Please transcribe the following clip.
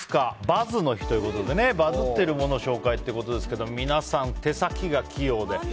バズの日ということでバズっているものを紹介ということですけど皆さん、手先が器用で。